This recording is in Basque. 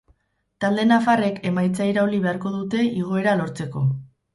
Talde nafarrek emaitza irauli beharko dute igoera lortzeko.